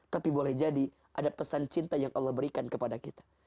tapi boleh jadi ada pesan cinta yang allah berikan kepada kita